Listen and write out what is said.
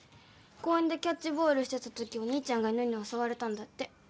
公園でキャッチボールしてたときお兄ちゃんが犬に襲われたんだって。